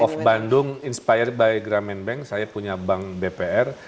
of bandung inspired by gramen bank saya punya bank bpr